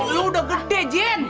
lu udah gede jen